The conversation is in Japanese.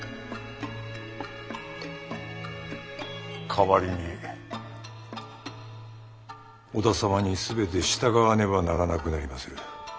代わりに織田様に全て従わねばならなくなりまする。